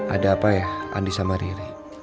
ada apa ya andi sama riri